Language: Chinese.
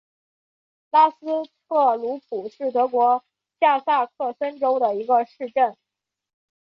拉斯特鲁普是德国下萨克森州的一个市镇。